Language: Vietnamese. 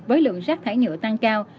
với lượng rác thải nhựa tăng cao